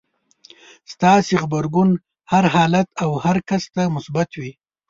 ستاسې غبرګون هر حالت او هر کس ته مثبت وي.